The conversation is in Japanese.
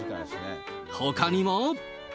ほかにも。